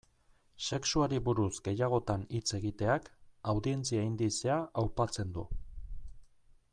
Sexuari buruz gehiagotan hitz egiteak, audientzia indizea aupatzen du.